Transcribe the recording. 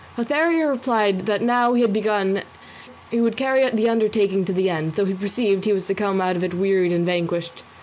Lothario replied that now he had begun he would carry on the undertaking to the end, though he perceived he was to come out of it wearied and vanquished.